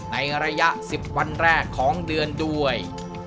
ในระยะ๑๐วันแรกของเดือนด้วย